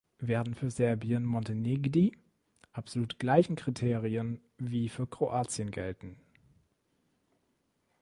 Werden für Serbien-Montenegdie absolut gleichen Kriterien wie für Kroatien gelten?